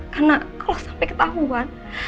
karena kalau sampai ketahuan